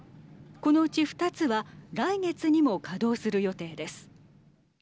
このうち２つは来月にも稼働する予定です。